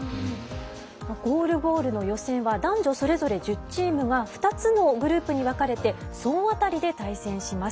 ゴールボールの予選は男女それぞれ１０チームが２つのグループに分かれて総当たりで対戦します。